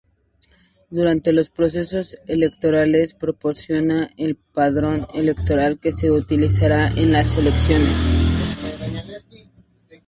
Durante los procesos electorales, proporciona el Padrón Electoral que se utilizará en las elecciones.